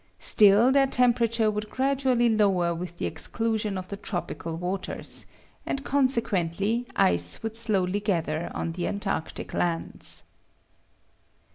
Still, their temperature would gradually lower with the exclusion of the tropical waters, and consequently ice would slowly gather on the antarctic lands.